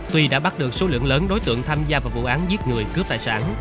tuy đã bắt được số lượng lớn đối tượng tham gia vào vụ án giết người cướp tài sản